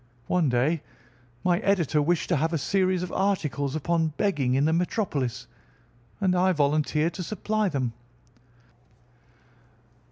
One day my editor wished to have a series of articles upon begging in the metropolis, and I volunteered to supply them.